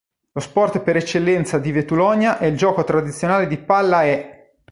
Lo sport per eccellenza di Vetulonia è il gioco tradizionale di Palla eh!.